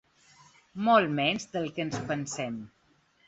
Molt menys del que ens pensem.